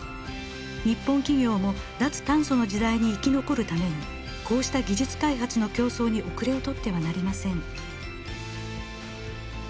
日本企業も脱炭素の時代に生き残るためにこうした技術開発の競争に後れを取ってはなりません。